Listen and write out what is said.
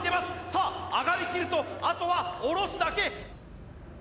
さあ上がりきるとあとは下ろすだけ！